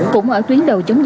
cũng ở tuyến đầu chống dịch